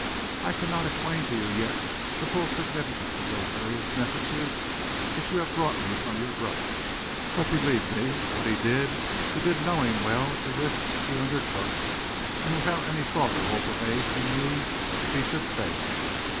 I cannot explain to you yet the full significance of those various messages which you have brought me from your brother, but believe me, what he did, he did knowing well the risks he undertook, and without any thought or hope of aid from me if he should fail.